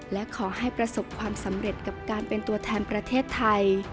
และขอให้ประสบความสำเร็จกับการเป็นตัวแทนประเทศไทย